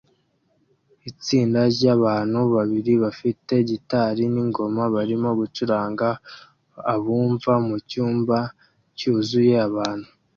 Itsinda ryabantu babiri bafite gitari ningoma barimo gucuranga abumva mucyumba cyuzuye abantu